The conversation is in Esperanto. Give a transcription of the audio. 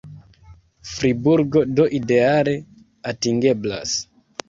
Friburgo do ideale atingeblas.